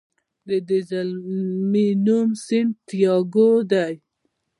د دې زلمي نوم سانتیاګو دی.